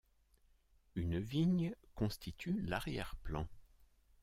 Une vigne constitue l'arrière-plan.